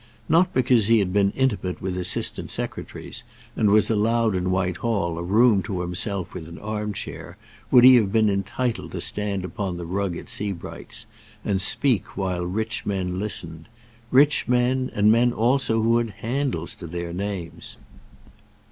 Not because he had been intimate with assistant secretaries, and was allowed in Whitehall a room to himself with an arm chair, would he have been entitled to stand upon the rug at Sebright's and speak while rich men listened, rich men, and men also who had handles to their names!